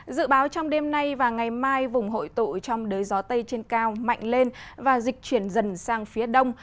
dự báo trong đêm nay và ngày mai vùng hội tụ trong đới gió tây trên cao mạnh lên và dịch chuyển dần sang phía đông